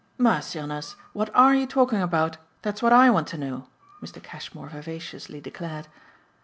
"Mercy on us, what ARE you talking about? That's what I want to know!" Mr. Cashmore vivaciously declared.